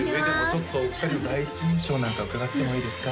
ちょっとお二人の第一印象なんか伺ってもいいですか？